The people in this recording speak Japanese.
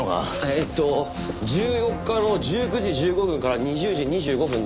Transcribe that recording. えーっと１４日の１９時１５分から２０時２５分の間です。